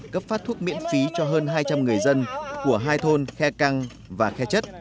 cấp phát thuốc miễn phí cho hơn hai trăm linh người dân của hai thôn khe căng và khe chất